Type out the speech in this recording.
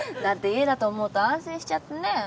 だって家だと思うと安心しちゃってね。